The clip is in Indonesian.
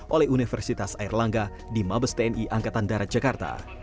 oleh universitas airlangga di mabes tni angkatan darat jakarta